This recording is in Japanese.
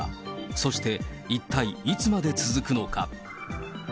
そして一体いつまで続くのか。